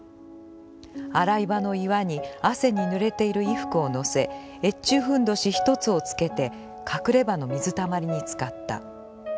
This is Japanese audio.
洗い場の岩に汗に濡れている衣服を載せ、越中フンドシひとつを着けて、隠れ場の水たまりに漬かった。